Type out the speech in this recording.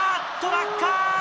落下！